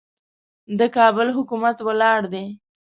د کابل حکومت ولاړ دی.